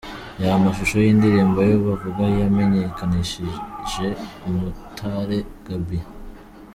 Reba amashusho y'indirimbo ' Ayo bavuga' yamenyekanishije Umutare Gabby.